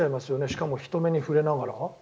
しかも人目に触れながら。